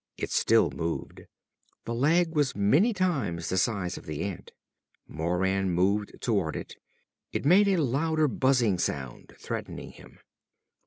It still moved. The leg was many times the size of the ant. Moran moved toward it. It made a louder buzzing sound, threatening him.